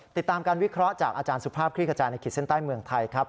ติดตามการวิเคราะห์จากอาจารย์สุภาพคลิกกระจายในขีดเส้นใต้เมืองไทยครับ